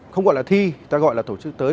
không gọi là thi ta gọi là tổ chức tới